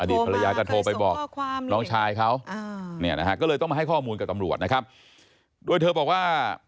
ภรรยาก็โทรไปบอกน้องชายเขาเนี่ยนะฮะก็เลยต้องมาให้ข้อมูลกับตำรวจนะครับโดยเธอบอกว่า